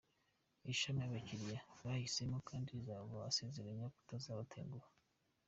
Ishimira abakiriya bayihisemo kandi ikabasezeranya kutazabatenguha.